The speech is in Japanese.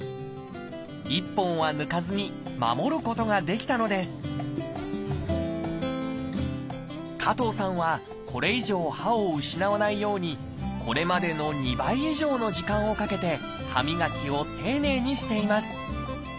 １本は抜かずに守ることができたのです加藤さんはこれ以上歯を失わないようにこれまでの２倍以上の時間をかけて歯磨きを丁寧にしています。